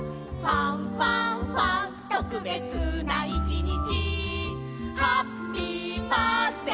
「ファンファンファン特別な一日」